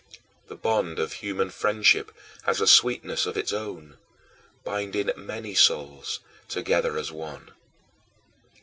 The bond of human friendship has a sweetness of its own, binding many souls together as one.